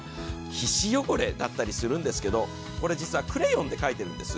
皮脂汚れだったりするんですけど、これ実はクレヨンで描いてるんです。